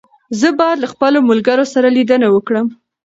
زه بايد له خپلو ملګرو سره ليدنه وکړم.